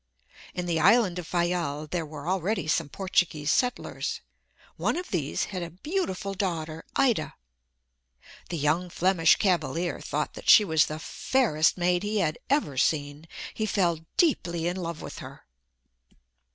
In the island of Fayal there were already some Portuguese settlers. One of these had a beautiful daughter Ida. The young Flemish cavalier thought that she was the fairest maid he had ever seen. He fell deeply in love with her.